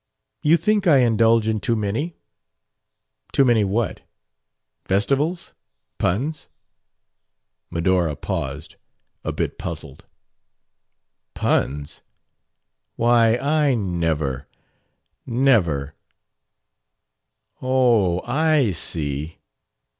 "You think I indulge in too many?" "Too many what? Festivals? Puns?" Medora paused, a bit puzzled. "Puns? Why, I never, never Oh, I see!"